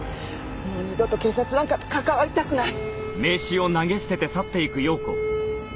もう二度と警察なんかと関わりたくない！